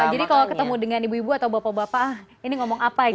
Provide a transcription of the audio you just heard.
jadi kalau ketemu dengan ibu ibu atau bapak bapak ini ngomong apa gitu